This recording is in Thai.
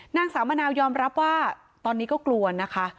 นางสาวมะนาวยอมรับว่าตอนนี้ก็กลัวนะคะ